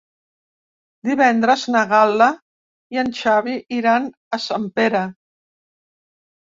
Divendres na Gal·la i en Xavi iran a Sempere.